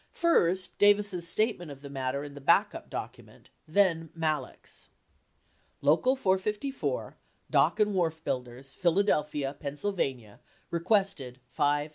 First Davison's statement of the matter in the backup document, then Malek's : Local 45^ Dock and Wharf Builders , Philadelphia , Penn sylvania 1 , requested 5/10/72.